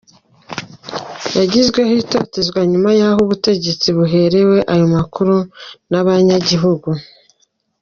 Yagizweko itohoza, inyuma yaho ubutegetsi buherewe ayo makuru n'abanyagihugu.